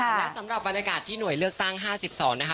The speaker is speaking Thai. และสำหรับบรรยากาศที่หน่วยเลือกตั้ง๕๒นะคะ